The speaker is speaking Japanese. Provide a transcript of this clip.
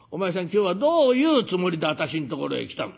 今日はどういうつもりで私んところへ来たの？」。